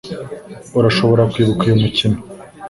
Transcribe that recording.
Urashobora kwibuka uyu mukino